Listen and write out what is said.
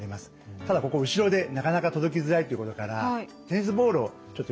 ただここ後ろでなかなか届きづらいっていうことからテニスボールをちょっと用意してみました。